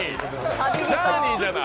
ジャーニーじゃない！